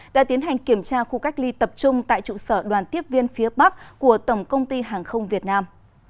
đã tiến hành kiểm tra khu cách ly tập trung tại trụ sở đoàn tiếp viên phía bắc của tổng công ty hàng không việt nam